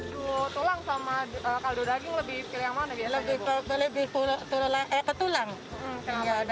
tulang dan kaldu daging lebih ke yang mana biasanya